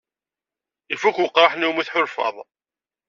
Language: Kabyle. Ifuk weqraḥ-nni umi tḥulfaḍ?